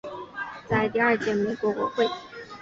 在第二届美国国会。